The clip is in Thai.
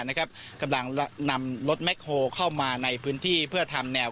นะครับกำลังนำรถแคลเข้ามาในพื้นที่เพื่อทำแนว